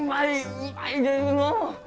うまいですのう！